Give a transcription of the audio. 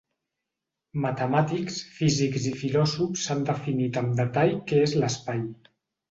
Matemàtics, físics i filòsofs han definit amb detall què és l'espai.